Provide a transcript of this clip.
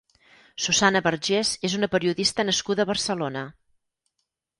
Susanna Bergés és una periodista nascuda a Barcelona.